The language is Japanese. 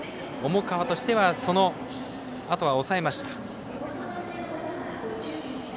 重川としてはそのあとは抑えました。